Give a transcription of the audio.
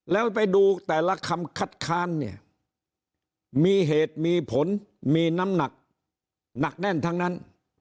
แล้วไปดูแต่ละคำคัดค้านเนี่ยมีเหตุมีผลมีน้ำหนักหนักแน่นทั้งนั้น